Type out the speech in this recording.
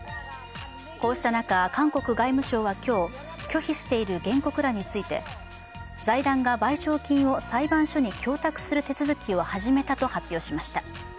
こうした中、韓国外務省は今日、拒否している原告らについて財団が賠償金を裁判所に供託する手続きを始めたと発表しました。